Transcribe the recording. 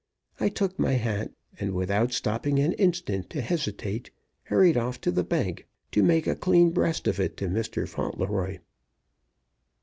I took my hat, and, without stopping an instant to hesitate, hurried off to the bank to make a clean breast of it to Mr. Fauntleroy.